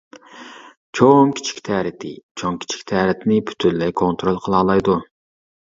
چوڭ-كىچىك تەرىتى: چوڭ-كىچىك تەرىتىنى پۈتۈنلەي كونترول قىلالايدۇ.